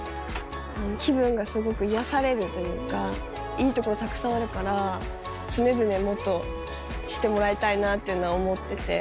いい所たくさんあるから常々もっと知ってもらいたいなっていうのは思ってて。